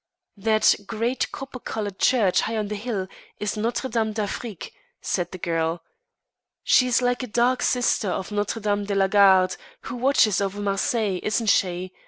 "That great copper coloured church high on the hill is Notre Dame d'Afrique," said the girl. "She's like a dark sister of Notre Dame de la Garde, who watches over Marseilles, isn't she?